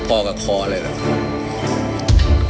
พคกิณฑ์